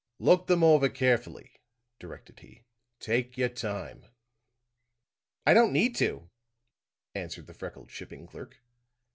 "Look them over carefully," directed he. "Take your time." "I don't need to," answered the freckled shipping clerk.